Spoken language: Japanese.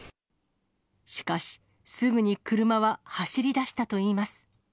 しかし、すぐに車は走りだしたといいます。